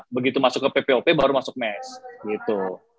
begitu masuk ke ppop baru masuk mes gitu